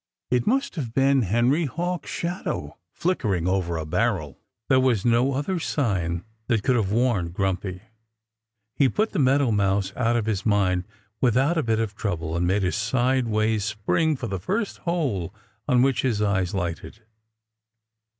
It must have been Henry Hawk's shadow flickering over a barrel. There was no other sign that could have warned Grumpy. He put the meadow mouse out of his mind without a bit of trouble and made a sidewise spring for the first hole on which his eyes lighted.